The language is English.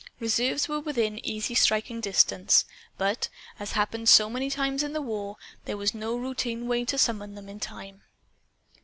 Reserves were within easy striking distance. But, as happened so many times in the war, there was no routine way to summon them in time.